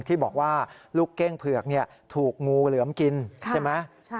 ที่บอกว่าลูกเก้งเผือกถูกงูเหลือมกินใช่ไหม